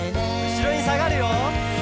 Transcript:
「後ろにさがるよ」